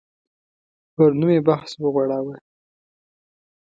پر نوم یې بحث وغوړاوه.